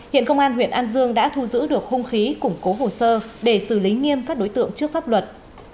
hiện công an huyện an dương đã thu giữ được hung khí củng cố hồ sơ để xử lý nghiêm các đối tượng trước pháp luật